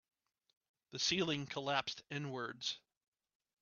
The ceiling collapsed inwards.